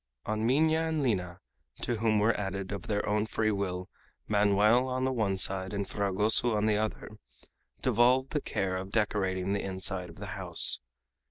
On Minha and Lina, to whom were added of their own free will Manoel on the one side and Fragoso on the other, devolved the care of decorating the inside of the house.